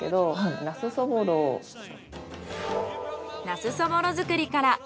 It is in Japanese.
ナスそぼろ作りから。